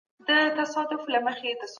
د ساینس مرسته له نورو لارو څخه ګټوره ده.